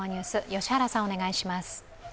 良原さん、お願いします。